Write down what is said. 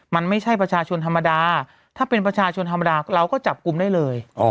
มันไม่ใช่ประชาชนธรรมดาถ้าเป็นประชาชนธรรมดาเราก็จับกลุ่มได้เลย